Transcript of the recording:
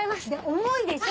重いでしょ？